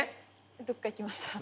どっかいきました。